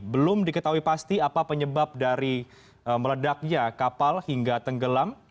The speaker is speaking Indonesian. belum diketahui pasti apa penyebab dari meledaknya kapal hingga tenggelam